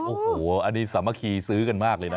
โอ้โหอันนี้สามัคคีซื้อกันมากเลยนะ